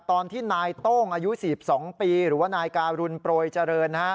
ตอนที่นายโต้งอายุ๔๒ปีหรือว่านายการุณโปรยเจริญนะฮะ